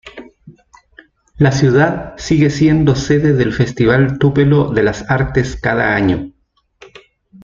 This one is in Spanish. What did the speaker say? La ciudad sigue siendo sede del Festival Tupelo de las Artes cada año.